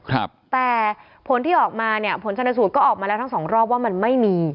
ครับแต่ผลที่ออกมาเนี่ยผลชนสูตรก็ออกมาแล้วทั้งสองรอบว่ามันไม่มี